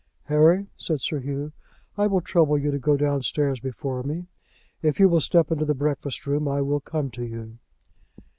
"Harry," said Sir Hugh, "I will trouble you to go downstairs before me. If you will step into the breakfast room I will come to you."